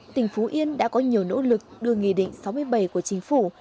tỉnh phú yên đã có nhiều nỗ lực đưa nghị định sáu mươi bảy của chính phủ